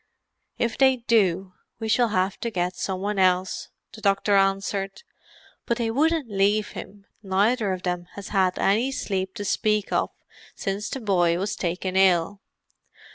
"If they do, we shall have to get some one else," the doctor answered. "But they wouldn't leave him; neither of them has had any sleep to speak of since the boy was taken ill.